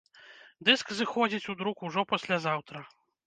Дыск сыходзіць у друк ужо паслязаўтра!